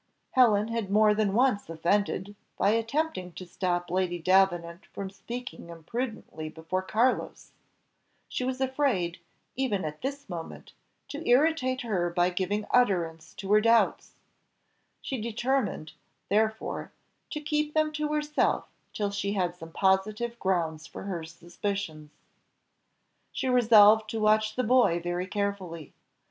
Helen had more than once offended, by attempting to stop Lady Davenant from speaking imprudently before Carlos; she was afraid, even at this moment, to irritate her by giving utterance to her doubts; she determined, therefore, to keep them to herself till she had some positive grounds for her suspicions. She resolved to watch the boy very carefully.